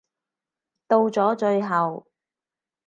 到咗最後